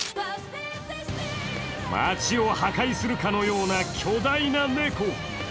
街を破壊するかのような巨大な猫。